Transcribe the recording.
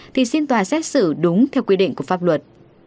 thì xin tòa xét xử đúng theo quy định của pháp luật